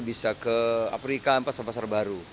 bisa ke afrika pasal pasal baru